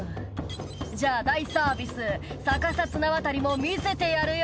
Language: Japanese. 「じゃあ大サービス逆さ綱渡りも見せてやるよ」